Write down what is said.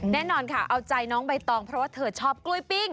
แน่นอนค่ะเอาใจน้องใบตองเพราะว่าเธอชอบกล้วยปิ้ง